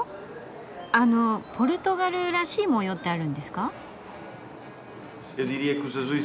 あのポルトガルらしい模様ってあるんですか？